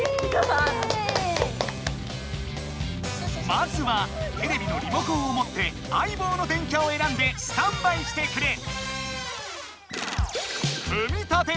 まずはテレビのリモコンを持ってあいぼうの電キャをえらんでスタンバイしてくれ！